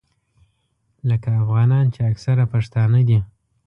لکه افغانان چې اکثره پښتانه دي.